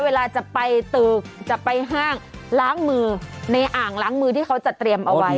เวลาจะไปตึกจะไปห้างล้างมือในอ่างล้างมือที่เขาจะเตรียมเอาไว้